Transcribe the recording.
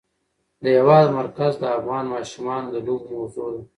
د هېواد مرکز د افغان ماشومانو د لوبو موضوع ده.